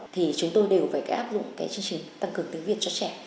thì chúng tôi đều phải áp dụng cái chương trình tăng cường tiếng việt cho trẻ